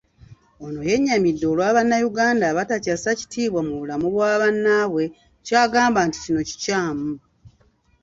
Ono yennyamidde olwa bannayuganda abatakyassa kitiibwa mu bulamu bwa bannaabwe ky'agamba nti kino kikyamu.